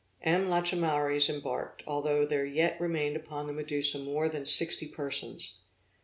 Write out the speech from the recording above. M. Lachaumareys embarked, although there yet remained upon the Medusa more than sixty persons.